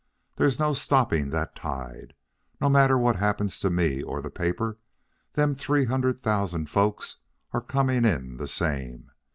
There is no stopping that tide. No matter what happens to me or the paper, them three hundred thousand folks are coming in the same.